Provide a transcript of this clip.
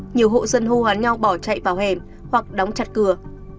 nhiều hộ dân hô hoán nhau bỏ chạy vào hẻm hoặc đóng chặt cửa